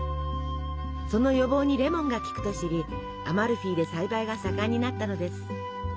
その予防にレモンが効くと知りアマルフィで栽培が盛んになったのです。